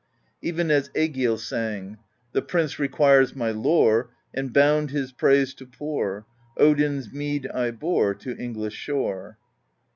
Even as Egill sang: The Prince requires my lore, And bound his praise to pour, Odin's Mead I bore To English shore.